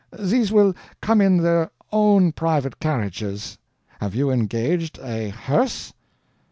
These will come in their own private carriages. Have you engaged a hearse?"